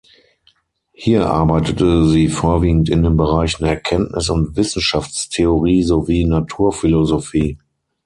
Hier arbeitete sie vorwiegend in den Bereichen Erkenntnis- und Wissenschaftstheorie sowie Naturphilosophie.